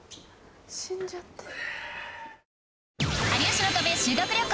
死んじゃってる。